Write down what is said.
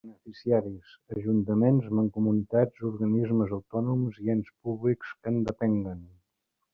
Beneficiaris: ajuntaments, mancomunitats organismes autònoms i ens públics que en depenguen.